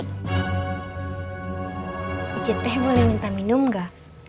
kita boleh minta minum enggak